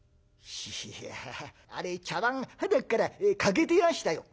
「いやあれ茶碗はなっから欠けてましたよ」。